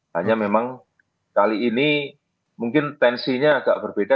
hanya memang kali ini mungkin tensinya agak berbeda